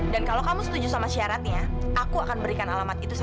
dan kalau kamu setuju sama syaratnya aku akan berikan alamatnya